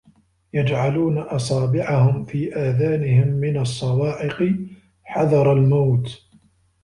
يَجْعَلُونَ أَصَابِعَهُمْ فِي آذَانِهِمْ مِنَ الصَّوَاعِقِ حَذَرَ الْمَوْتِ